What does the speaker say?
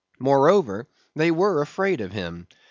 Moreover, they were afraid of him.